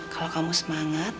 kalau kamu semangat